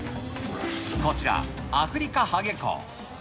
こちら、アフリカハゲコウ。